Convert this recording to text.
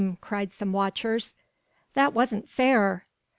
cried some watchers. "That wasn't fair!"